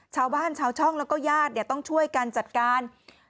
ชาวบ้านชาวช่องแล้วก็ญาติต้องช่วยกันจัดการ